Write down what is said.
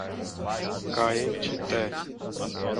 Caetité